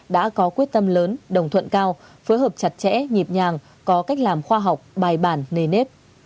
đã có quyết tâm lớn đồng thuận cao phối hợp chặt chẽ nhịp nhàng có cách làm khoa học bài bản nề nếp